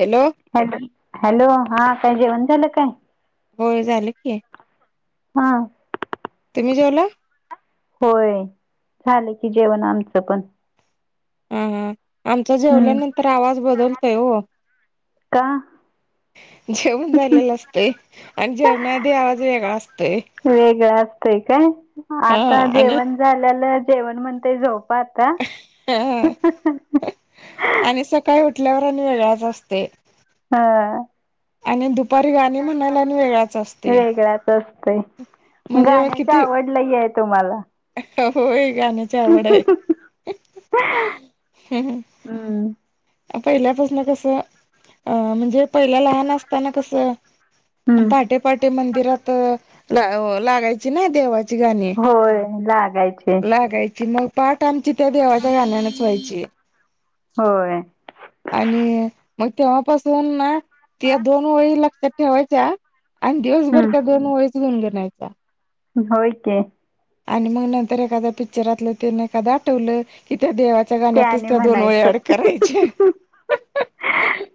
Hello hello हा के वंदल काय होय झालं की हा तुम्ही जेवला होय झाल की जेवण आमचं पण हा हा आमचा हम्म जेवल्यानंतर आवाज बदलतोय ओ का जेवण झालेलं असतय आणि जेवणाआधी आवाज वेगळा असतो वेगळं असतोय का हा आता आणि जेवण झाल्याल जेवण म्हणते झोप पाहाता ह ह हा उटल्यावर आणि वेगळाच असतोय हा आणि दुपारी गाणी म्हणायला आणि वेगळाच असते वेगळाच म्हणजे मग गाण्याची किती आवडलय आहे तुम्हाला होय गाण्याची आवड आहे हम्म हम पहिल्यापासन कसं अ म्हणजे पहिल्या लहान असताना कसं हम्म पाहाटेपाहाटे मंदिरात लागायची ने देवाची गाणी होय लागायचे लागायची मग पाठ आमची त्या देवाच्या गाण्यानेच व्हायची होय आणि मग तेव्हापासून ना त्या दोन वळी लक्षात ठेवायच्या आणि दिवसभर हम्म त्या दोन वळीच गुनगुनायच्या होय कि आणि मग नंतर एखादा पिक्चरातलं तेन एखादं आठवलं की त्या देवा त्या गाण्यातच त्याने त्या दोन वोळी अँड म्हणायचं करायचे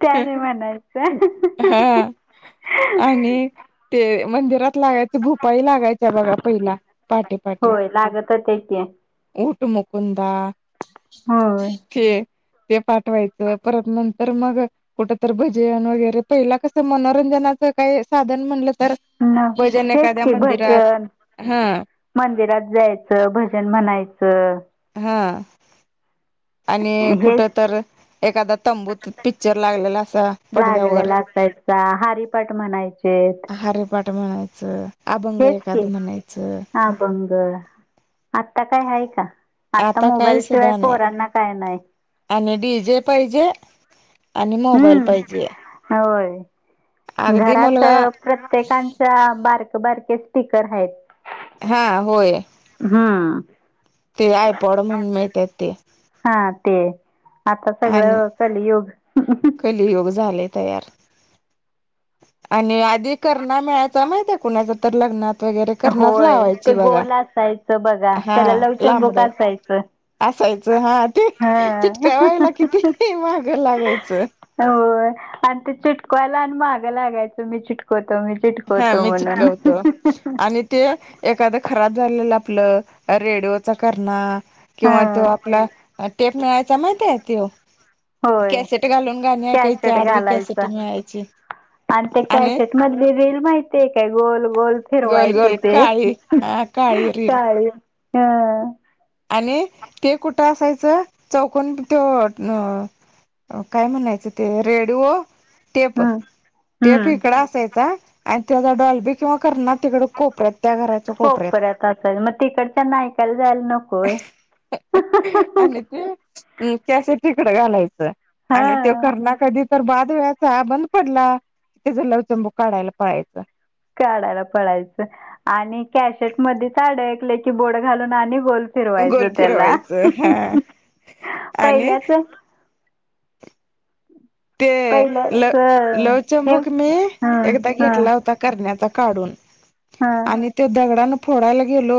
त्याने हा म्हणायचं आणि ते मंदिरात लागायचे भोपाई लागायचा बघा पहिला पहाटे होय लागत होत्या कि ऊट मुकुंदा होय ते ते पाठवायचं परत नंतर मग कुठ तर भजन वगैरे पहिला कस मनोरंजन नाच काही साधन म्हणलं तर न भजन हेच एखाद्या की मंदिरात भजन हा मंदिरात जायचं भजन म्हणायचं हा ह आणि कुठ तर एखादा तंबूत पिक्चर लागलेला असा पडद्यावर हारिपाट म्हणायचेत. हरिपाठ म्हणायचं अभंग हेच एखाद की म्हणायचं आभंग आता काय आहे का? आता काही मोबाईल शिवाय सुधा नाही पोरांना काय नाही आणि डी जे पाहिजे. आणि मोबाईल हम्म पाहिजे. होय अगदी घरात मुलगा प्रत्येकांच्या बारक बारके स्पीकर आहेत. हा होय. हम्म. ते आय पाॅड म्हणून मिळतात ते. हा ते आता आणि सगळं कलियुग. कलयुग झालय. तयार आणि आधी कर्णा मिळाचा माहित आहे कुणाच तर लग्नात वगैरे कर्णाच होय ते लावायची बघा गोल असायचं बघा हा त्याला लांबड. लवचंबुक असायचं. असायचं हा ते हा चिटकावायला किती माग लागायचं. होय आणि ते चिटकवायला आणि महागं लागायचं मी चिटकव हा मी चिटकवतो आणि ते एखादा खराब झालेला आपल रेडिओचा कर्णा हा किंवा तो आपला टेप मिळायचा माहितेय तो होय कॅसेट घालून गाणे ऐकाय ते कॅशेट आडवी कॅसेट घालायचा. मिळायची आणि त्या कॅशट मधली रीळ माहिती आहे काय गोल गोल गोल फिरवायचं गोल ते काळी हा काळी रील काळी ह आणि ते कुठं असायचं चौकून तो न काय म्हणायचं ते रेडओ टेप हं टेप हं इकड असायचा आणि तेचा डॉल बी किंवा कर्णा तिकड कोपऱ्यात त्या घराच्या कोपऱ्यात असायचं मग तिकडच्या नायकाला जायला नको होय आणि ते क्यासेट तिकड घालायचं आणि तो हा कर्णा कधी तर बाद वेळाचा बंद पडला कि त्याच लवचंबू काढायला पळायचाश. काढायला पळायचं आणि कॅशेट मध्ये साड ऐकले की बोड घालून आणि गोल फिरवायच गोल त्याला फिरवायचं हा आणि पहिल्याच ते ल पहिल्याच हे लवचंबूक मी हं एकदा हं घेतला होता कर्ण्याचा काढून हं आणि त दगडने फोडायला गेलो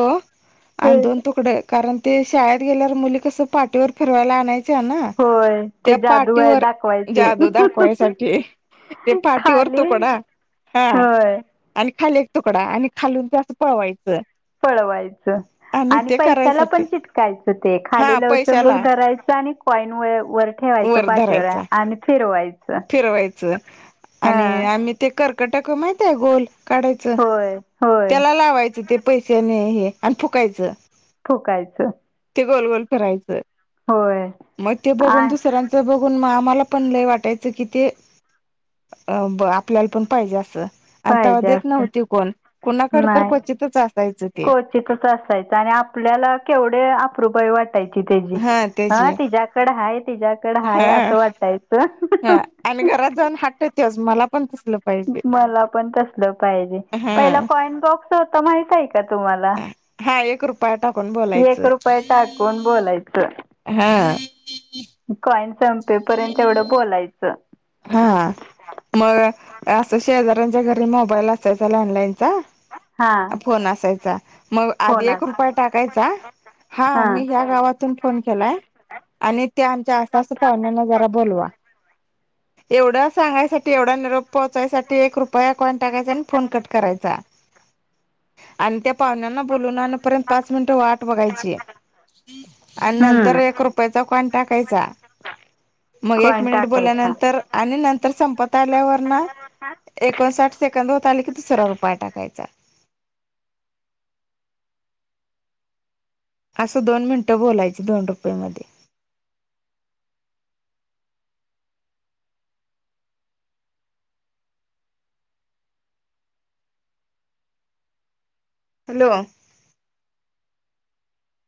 आणि हे दोन तुकडे कारण ते शाळेत गेल्यावर मुली कसं पाठीवर फिरवायला आणायच ना होय ते त्या जादू आहे पाटीवर दाखवायची जादू दाखवायसाठी ते पाटी खाली वरतो कोणा हा होय आणि खाली एक तुकडा आणि खालून ते असं पळवायचं. पळवायचं. आणि ते पैशाला पण करायसाठी चिटकायचं ते हा खाली लवचंबक पैशाला धरायचं आणि कॉईन व वर ठेवा वर धरायचा फिरवायचं हा आणि आम्ही ते कर्कट क माहितय गोल काढायचं होय होय त्याला लावायचं ते पैशने हे आणि फुकायचं. फुकायचं. ते गोल गोल फिरायचं, होय मग ते आ दुसऱ्यांचे बघून आम्हाला पण लय वाटायचं की ते आपल्याला पण पाहिजे असं आता पाहिजे देत असं नव्हती कोण कुणाकड तर नाही क्वचितच असायचं ते. क्वचितच असायचं आणि आपल्याला केवढे अपरुबाई वाटते वाटायची तेजी हा ह त्याची तिच्या्याकड हाय तिच्या्याकड हाय हा असं वाटायचं. हा आणि घरात जाऊन हाट तेवज मला पण तसलं पाहिजे मला पण तसलं पाहिजे पहिला हा कॉइन बॉक्स होत माहित आहे का तुम्हाला हा एक रुपया टाकून एक बोलायचं रुपय टाकून बोलायचं. हा. कॉईन संपेपर्यंत एवढं बोलायचं हा मग असं शेजऱ्यांच्या घरी मोबाईल असायचा लडलाईन हा फोन असायचा मग आधी एक फोनात रुपय टाकायचा हा मी या्या गावातून फोन केलाय आणि ते आमच्या आास पाहुण्यांना जरा बोलवा एवढा सांगायसाठी एवढा निरोप पोहोचायसाठी एक रुप पया को टाकायचा आणि फन कट करायचा आणि त्या पाहण्याना बोलूनपर्यंत पाच मिनिटं वाट बघायची आणि नंतर हम्म एक रुपयाचा कन टाकायचा मग एक कॉइन मिनिट टाकायचा बोलल्यानंतर आणि नंतर संपत आल्यावर ना एकोणसाठ सेकंद होत आले की दुसरा रुपाय टाकायचा ह असं दोन मिनटं बोलायची दोन रुपये मध्ये हॅलो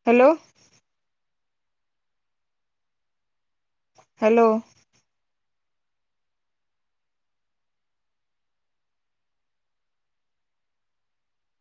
हॅलो हॅलो